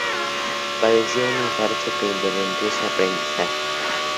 Padeció un infarto que interrumpió su aprendizaje.